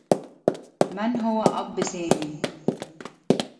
من هو أب سامي؟